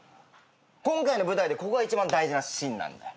今回の舞台でここが一番大事なシーンなんだよ。